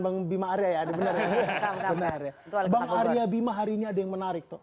bang bima arya ya bener bener bang arya bima hari ini ada yang menarik